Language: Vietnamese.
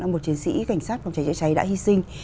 một chiến sĩ cảnh sát phòng cháy chữa cháy đã hy sinh